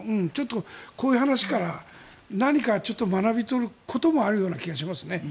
こういう話から何か学び取ることもある気がしますね。